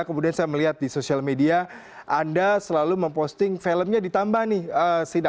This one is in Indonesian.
kemudian saya melihat di sosial media anda selalu memposting filmnya ditambah nih sida